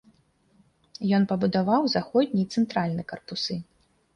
Ён пабудаваў заходні і цэнтральны карпусы.